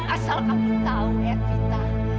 asal kamu tahu ervita